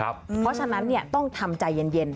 เพราะฉะนั้นต้องทำใจเย็น